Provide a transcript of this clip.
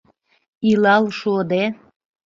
Илал шуыде